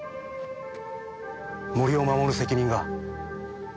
森を守る責任が。